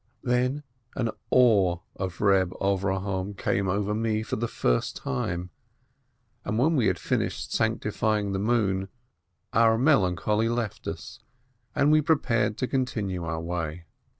Then an awe of Eeb Avrohom came over me for the first time, and when we had fin ished sanctifying the moon our melancholy left us, and we prepared to continue our way.